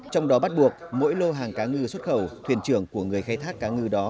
trong đó bắt buộc mỗi lô hàng cá ngư xuất khẩu thuyền trưởng của người khai thác cá ngư đó